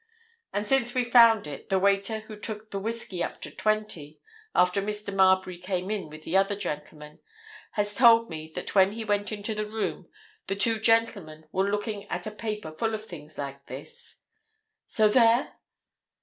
And since we found it, the waiter who took the whisky up to 20, after Mr. Marbury came in with the other gentleman, has told me that when he went into the room the two gentlemen were looking at a paper full of things like this. So there?"